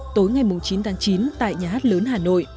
tối ngày chín tháng chín tại nhà hát lớn hà nội